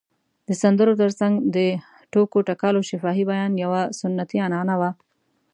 د سندرو تر څنګ د ټوکو ټکالو شفاهي بیان یوه سنتي عنعنه وه.